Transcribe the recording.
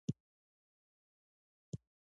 چې له قطاره یې را ایستلی و، څېړنې کوونکي افسران.